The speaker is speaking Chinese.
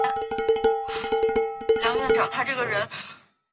萨泰因斯是奥地利福拉尔贝格州费尔德基希县的一个市镇。